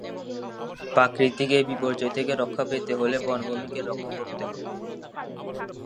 প্রাকৃতিক এই বিপর্যয় থেকে রক্ষা পেতে হলে বনভূমিকে রক্ষা করতে হবে।